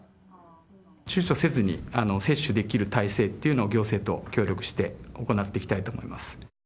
ちゅうちょせずに接種できる体制というのを行政と協力して行っていきたいと思います。